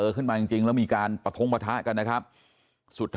และก็คือว่าถึงแม้วันนี้จะพบรอยเท้าเสียแป้งจริงไหม